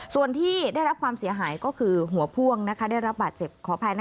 ส่วนที่ได้รับความเสียหายก็คือหัวพ่วงได้รับบาดเจ็บขออภัยนะคะ